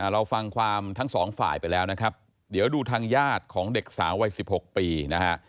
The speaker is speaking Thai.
เราฟังความทั้งสองฝ่ายไปแล้วนะครับเดี๋ยวดูทางญาติของเด็กสาววัย๑๖ปีนะฮะ